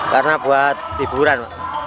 karena buat tiburan